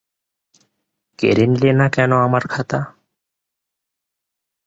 কেড়ে নিলে না কেন আমার খাতা?